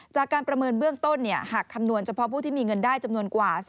จากการประเมินเบื้องต้นหากคำนวณเฉพาะผู้ที่มีเงินได้จำนวนกว่า